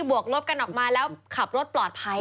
วกลบกันออกมาแล้วขับรถปลอดภัย